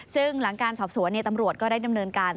ซึ่งหลังการสอบสวนตำรวจก็ได้ดำเนินการ